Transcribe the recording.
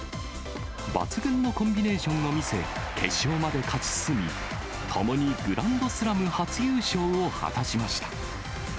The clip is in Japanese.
抜群のコンビネーションを見せ、決勝まで勝ち進み、ともにグランドスラム初優勝を果たしました。